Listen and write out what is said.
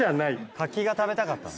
柿が食べたかったんだ。